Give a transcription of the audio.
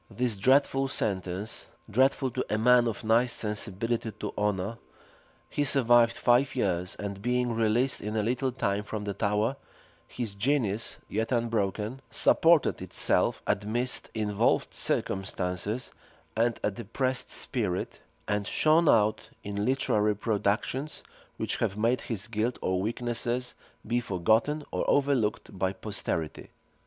This dreadful sentence, dreadful to a man of nice sensibility to honor, he survived five years; and being released in a little time from the Tower, his genius, yet unbroken, supported itself amidst involved circumstances and a depressed spirit, and shone out in literary productions which have made his guilt or weaknesses be forgotten or overlooked by posterity.